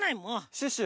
シュッシュ